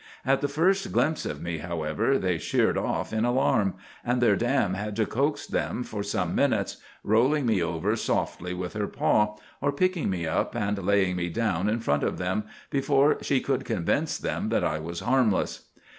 At the first glimpse of me, however, they sheered off in alarm; and their dam had to coax them for some minutes, rolling me over softly with her paw, or picking me up and laying me down in front of them, before she could convince them that I was harmless.